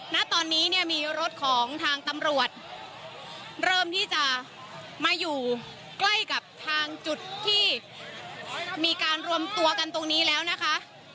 ณตอนนี้เนี่ยมีรถของทางตำรวจเริ่มที่จะมาอยู่ใกล้กับทางจุดที่มีการรวมตัวกันตรงนี้แล้วนะคะ